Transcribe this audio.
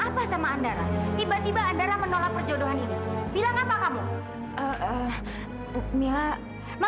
apa sama andara tiba tiba andara menolak perjodohannya bilang apa kamu